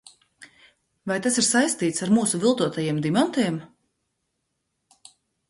Vai tas ir saistīts ar mūsu viltotajiem dimantiem?